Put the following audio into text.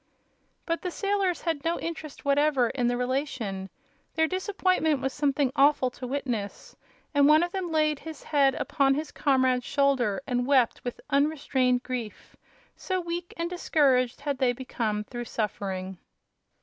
But the sailors had no interest whatever in the relation. Their disappointment was something awful to witness, and one of them laid his head upon his comrade's shoulder and wept with unrestrained grief, so weak and discouraged had they become through suffering.